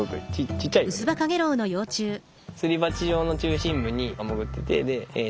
ちっちゃいよでも。